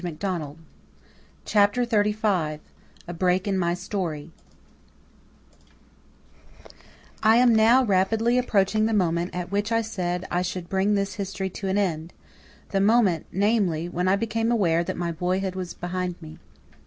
CHAPTER XXXV A Break in my Story I am now rapidly approaching the moment at which I said I should bring this history to an end the moment, namely, when I became aware that my boyhood was behind me.